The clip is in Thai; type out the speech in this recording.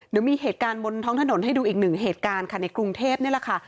เดี๋ยวมีเหตุการณ์บนท้องถนนให้ดูอีกหนึ่งเหตุการณ์ค่ะในกรุงเทพนี่แหละค่ะ